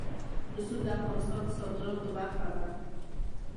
رسوب د افغانستان د صادراتو برخه ده.